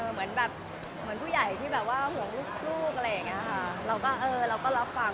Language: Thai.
เหมือนผู้ใหญ่ที่ห่วงลูกอะไรอย่างนี้ค่ะเราก็รับฟัง